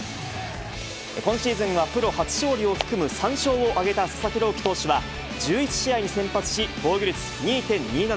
今シーズンは、プロ初勝利を含む３勝を挙げた佐々木朗希投手は、１１試合に先発し、防御率２．２７。